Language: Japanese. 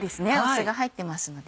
酢が入ってますので。